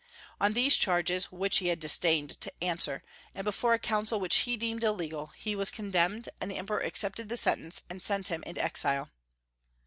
On these charges, which he disdained to answer, and before a council which he deemed illegal, he was condemned; and the emperor accepted the sentence, and sent him into exile.